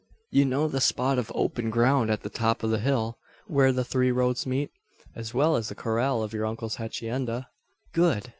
"You know the spot of open ground at the top of the hill where the three roads meet?" "As well as the corral of your uncle's hacienda." "Good!